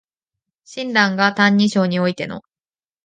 親鸞が「歎異抄」においての